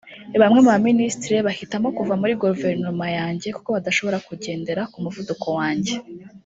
Bamwe mu ba minisitiri bahitamo kuva muri guverinoma yanjye kuko badashobora kugendera ku muvuduko wanjye